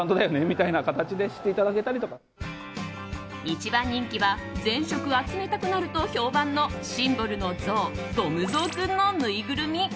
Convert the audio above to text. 一番人気は全色集めたくなると評判のシンボルのゾウどむぞうくんのぬいぐるみ。